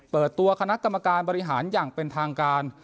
เปิดตัวคณะกรรมการบริหารอย่างเป็นทางการ